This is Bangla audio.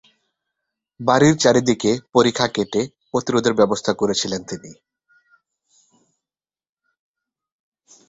বাড়ীর চারিদিকে পরিখা কেটে প্রতিরোধের ব্যবস্থা করেছিলেন তিনি।